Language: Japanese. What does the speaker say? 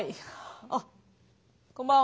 あこんばんは。